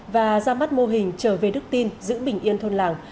và ra mắt mô hình trở về đức tin giữ bình yên thôn làng